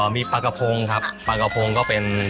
มีอะไรที่เป็นเมนูเดลิ